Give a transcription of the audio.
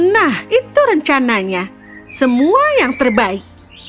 nah itu rencananya semua yang terbaik